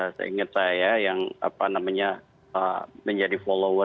ya saya ingat saya yang apa namanya menjadi follower